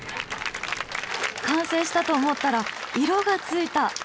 完成したと思ったら色がついた。